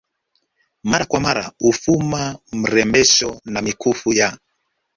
mara kwa mara hufuma marembesho na mikufu ya